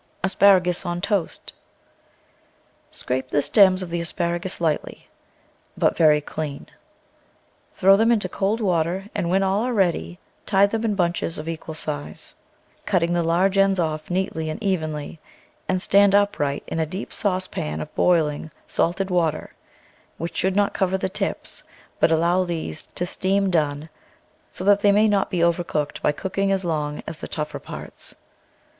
ASPARAGUS ON TOAST Scrape the stems of the asparagus lightly, but very clean; throw them into cold water, and when all are ready, tie them in bunches of equal size, THE VEGETABLE GARDEN cutting the large ends off neatly and evenly, and stand upright in a deep saucepan of boiling, salted water, which should not cover the tips, but allow these to steam done, so that they may not be over cooked by cooking as long as the tougher parts.